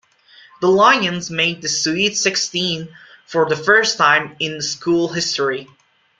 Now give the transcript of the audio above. The Lions made the sweet sixteen for the first time in school history.